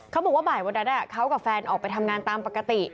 เขาบอกว่าบ่ายวันนั้นเขากับแฟนออกไปทำงานตามปกติ